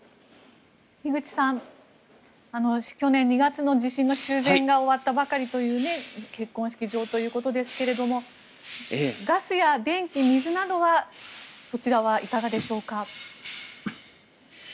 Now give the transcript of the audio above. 樋口さん去年２月の地震の修繕が終わったばかりという結婚式場ということですがガスや電気、水などはそちらはいかがでしょうか。